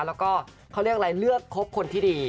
แล้วก็เขาเรียกอะไรเลือกครบคนที่ดี